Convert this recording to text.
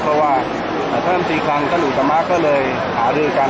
เพราะว่าตามทีครั้งสรุปจำะก็เลยขาดือกัน